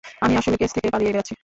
আমি আসলে কেস থেকে পালিয়ে বেড়াচ্ছি!